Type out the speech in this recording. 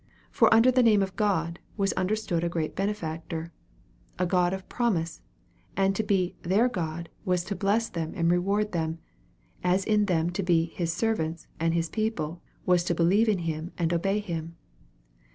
For under the name of God was understood a great benefactor, a God of promise, and to be ' their God' was to bless them and reward them ; as in them to be ' his servants,' and ' his people' was to believe in him and obey him.